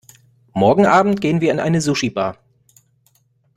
Morgenabend gehen wir in eine Sushibar.